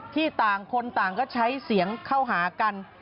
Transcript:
ต่างคนต่างก็ใช้เสียงเข้าหากัน